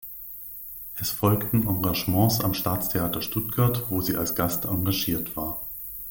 Es folgten Engagements am Staatstheater Stuttgart, wo sie als Gast engagiert war.